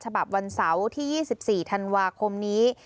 ฉบับวันเสาร์ที่๒๔ธันวาคมนี้